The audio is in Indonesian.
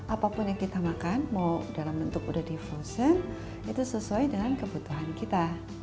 apapun yang kita makan mau dalam bentuk udah di frozen itu sesuai dengan kebutuhan kita